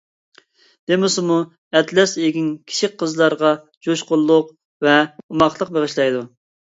دېمىسىمۇ، ئەتلەس ئېگىن كىچىك قىزلارغا جۇشقۇنلۇق ۋە ئوماقلىق بېغىشلايدۇ.